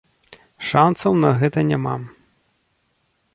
Шанцаў на гэта няма.